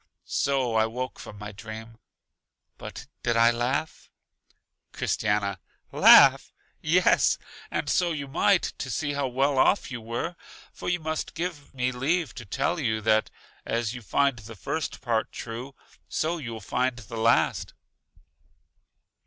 So I woke from my dream. But did I laugh? Christiana: Laugh! Yes, and so you might, to see how well off you were! For you must give me leave to tell you, that as you find the first part true, so you will find true the last.